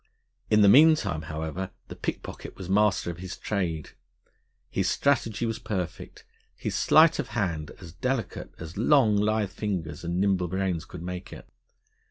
In the meantime, however, the pickpocket was master of his trade. His strategy was perfect, his sleight of hand as delicate as long, lithe fingers and nimble brains could make it.